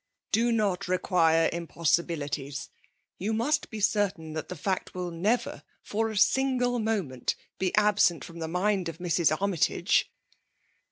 "'" Do not require impossibilities ! Yon must be certain that the fact will never for a sin^ moment be absent from the mind of Mrs. Armytage.